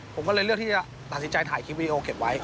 ผมก็เลยเลือกที่จะตัดสินใจถ่ายคลิปวีดีโอเก็บไว้